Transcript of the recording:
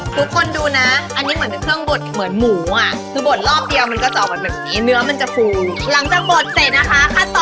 ทุกคนดูนะอันนี้เหมือนเครื่องบดเหมือนหมูอ่ะ